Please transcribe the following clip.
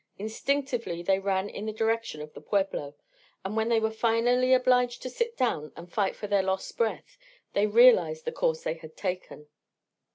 Instinctively they ran in the direction of the pueblo, and when they were finally obliged to sit down and fight for their lost breath they realised the course they had taken.